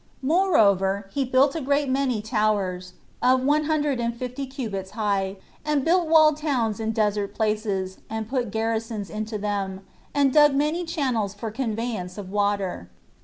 Moreover, he built a great many towers, of one hundred and fifty cubits high, and built walled towns in desert places, and put garrisons into them, and dug many channels for conveyance of water.